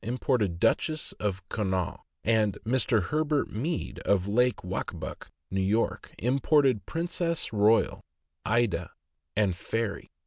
imported Duchess of Connaught, and Mr. Herbert Mead, of LakeWaccabuc, N. Y., imported Princess Royal, Aydah, and Fairy.